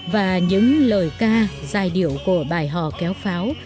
và những lời ca giải điệu của bài họ kéo pháo